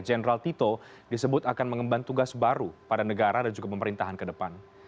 jenderal tito disebut akan mengemban tugas baru pada negara dan juga pemerintahan ke depan